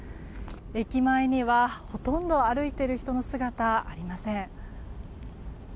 駅前には、ほとんど歩いている人の姿ありません。